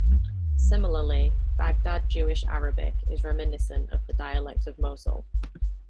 Similarly, Baghdad Jewish Arabic is reminiscent of the dialect of Mosul.